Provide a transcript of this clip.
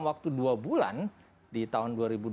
waktu dua bulan di tahun